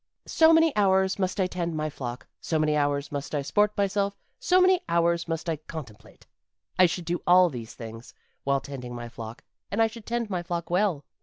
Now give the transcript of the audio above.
'So many hours must I tend my flock, so many hours must I sport myself, so many hours must I contemplate' I should do all these things while tending my flock, and I should tend my flock well.